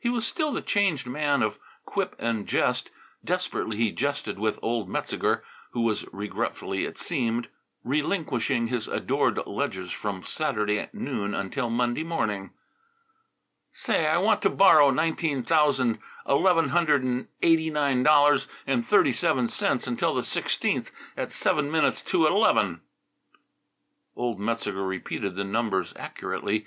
He was still the changed man of quip and jest. Desperately he jested with old Metzeger, who was regretfully, it seemed, relinquishing his adored ledgers from Saturday noon until Monday morning. "Say, I want to borrow nineteen thousand eleven hundred and eighty nine dollars and thirty seven cents until the sixteenth at seven minutes to eleven." Old Metzeger repeated the numbers accurately.